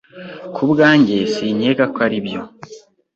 Ku bwanjye, sinkeka ko aribyo.